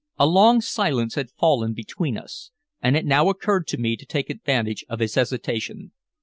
A long silence had fallen between us, and it now occurred to me to take advantage of his hesitation.